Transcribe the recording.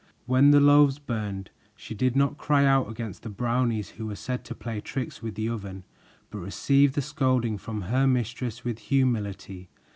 When the loaves burned, she did not cry out against the Brownies, who were said to play tricks with the oven, but received the scolding from her mistress with humility.